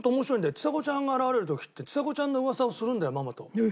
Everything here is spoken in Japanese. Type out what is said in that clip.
ちさ子ちゃんが現れる時ってちさ子ちゃんの噂をするんだよママと。